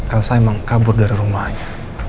elsa memang kabur dari rumahnya